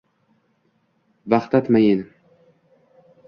Vahdat mayin